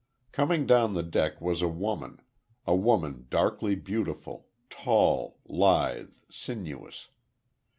Coming down the deck was a woman, a woman darkly beautiful, tall, lithe, sinuous.